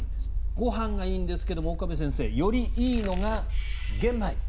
ご飯がいいんですけど岡部先生、よりいいのが玄米。